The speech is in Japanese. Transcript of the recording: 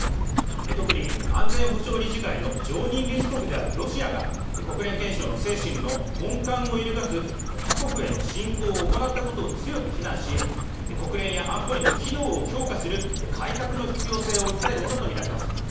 特に安全保障理事会の常任理事国であるロシアが国連憲章の精神の根幹を揺るがす他国への侵攻を行ったことを強く非難し国連や安保理の機能を強化する改革の必要性を訴えるものとみられます。